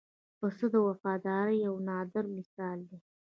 پسه د وفادارۍ یو نادره مثال دی.